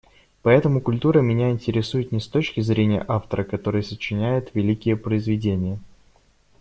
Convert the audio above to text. Поэтому культура меня интересует не с точки зрения автора, который сочиняет великие произведения.